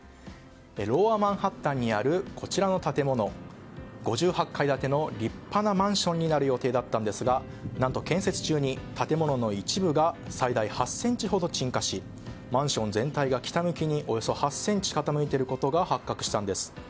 ロウアーマンハッタンにあるこちらの建物５８階建ての立派なマンションになる予定だったんですが何と、建設中に建物の一部が最大８ｃｍほど沈下しマンション全体が北向きにおよそ８ｃｍ傾いていることが発覚したんです。